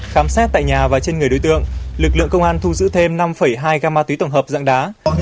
khám xét tại nhà và trên người đối tượng lực lượng công an thu giữ thêm năm hai gam ma túy tổng hợp dạng đá